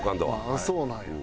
ああそうなんや。